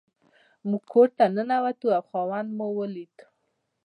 موږ کور ته ننوتو او خاوند مو ولید.